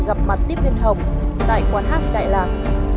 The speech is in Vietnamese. gặp mặt tiếp viên hồng tại quán hát đại lạc